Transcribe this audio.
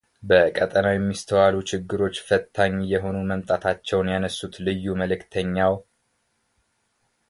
በቀጣናው የሚስተዋሉ ችግሮች ፈታኝ እየሆኑ መምጣታቸውን ያነሱት ልዩ መልዕክተኛው